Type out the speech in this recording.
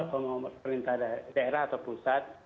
pemerintah daerah atau pusat